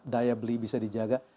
daya beli bisa dijaga